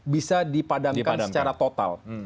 bisa dipadangkan secara total